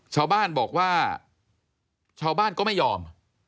ชาวบ้านบอกว่าชาวบ้านก็ไม่ยอม